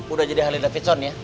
udah jadi ahli davidson ya